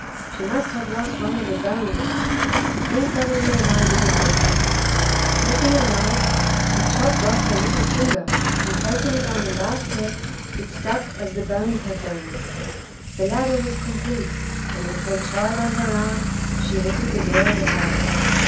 She must have lost one of the bones. Then suddenly an idea came to her. Taking a knife she chopped off her little finger, and placing it on the last step, it stuck as the bones had done. The ladder was complete, and with her child on her arm she entered the door of the house.